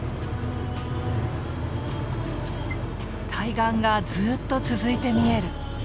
対岸がずっと続いて見える。